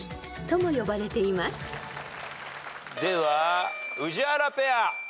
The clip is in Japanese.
では宇治原ペア。